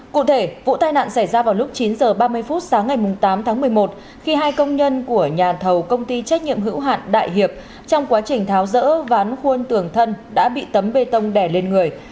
cụ thể vụ tai nạn xảy ra vào lúc chín h ba mươi phút sáng ngày tám tháng một mươi một khi hai công nhân của nhà thầu công ty trách nhiệm hữu hạn đại hiệp trong quá trình tháo rỡ ván khuôn tường thân đã bị tấm bê tông đẻ lên người